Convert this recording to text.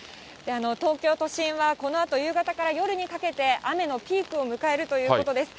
東京都心はこのあと夕方から夜にかけて、雨のピークを迎えるということです。